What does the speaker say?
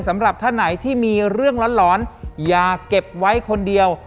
สำหรับท่านไหนที่มีเรื่องร้อนอย่าเก็บไว้คนเดียว